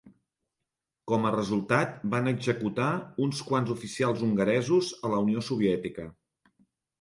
Com a resultat, van executar uns quants oficials hongaresos a la Unió Soviètica.